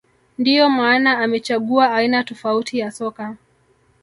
ndiyo maana anamechagua aina tofauti ya soka